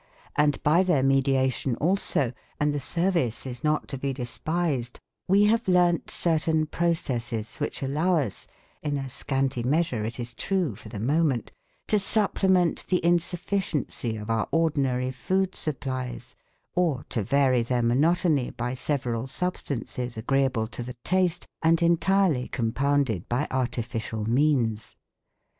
And by their mediation also, and the service is not to be despised we have learnt certain processes which allow us (in a scanty measure, it is true, for the moment) to supplement the insufficiency of our ordinary food supplies, or to vary their monotony by several substances agreeable to the taste and entirely compounded by artificial means.